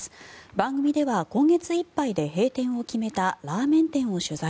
番組では今月いっぱいで閉店を決めたラーメン店を取材。